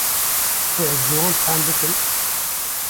ku ez ji wan fehm bikim